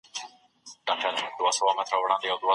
تمرین د فشار کمولو لپاره ګټور دی.